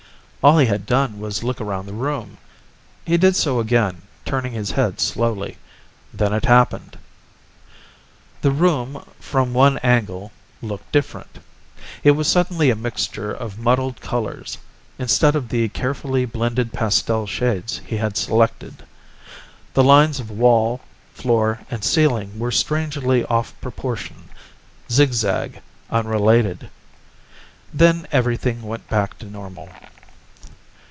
All he had done was look around the room. He did so again, turning his head slowly. Then it happened. The room, from one angle, looked different. It was suddenly a mixture of muddled colors, instead of the carefully blended pastel shades he had selected. The lines of wall, floor and ceiling were strangely off proportion, zigzag, unrelated. Then everything went back to normal.